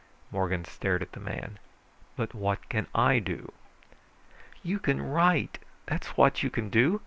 Morgan stared at the man. "But what can I do?" "You can write! That's what you can do.